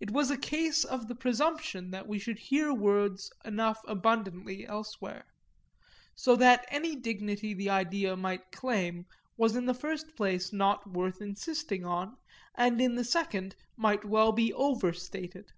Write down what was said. It was a case of the presumption that we should hear words enough abundantly elsewhere; so that any dignity the idea might claim was in the first place not worth insisting on, and in the second might well be overstated.